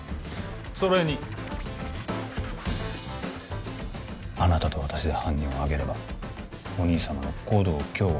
それにあなたと私で犯人をあげればお兄様の護道京吾